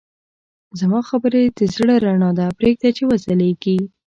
زما خبرې د زړه رڼا ده، پرېږده چې وځلېږي.